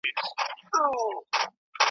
ته بچی د بد نصیبو د وطن یې .